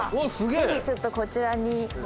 ぜひちょっとこちらに。